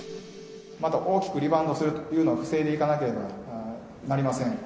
また大きくリバウンドするというのは防いでいかなければなりません。